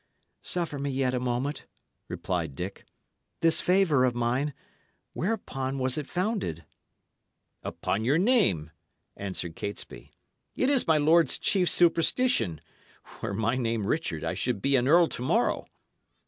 "Suffer me yet a moment," replied Dick. "This favour of mine whereupon was it founded?" "Upon your name," answered Catesby. "It is my lord's chief superstition. Were my name Richard, I should be an earl to morrow."